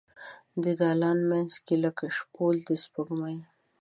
د دالان مینځ کې لکه شپول د سپوږمۍ